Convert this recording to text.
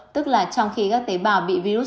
tức là trong khi các tế bào bị virus